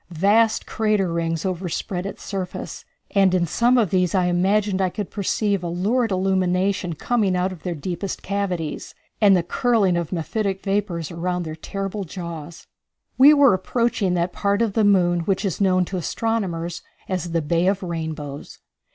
Vast crater rings overspread its surface, and in some of these I imagined I could perceive a lurid illumination coming out of their deepest cavities, and the curling of mephitic vapors around their terrible jaws. We were approaching that part of the moon which is known to astronomers as the Bay of Rainbows.